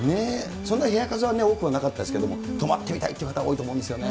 そんな部屋数は多くはなかったですけど、泊まってみたいっていう方、多いと思うんですよね。